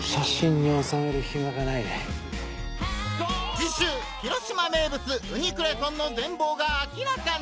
次週広島名物「ウニクレソン」の全貌が明らかに！